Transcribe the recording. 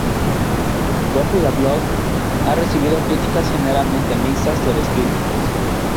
Dog with a Blog ha recibido críticas generalmente mixtas de los críticos.